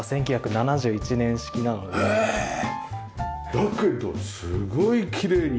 だけどすごいきれいに。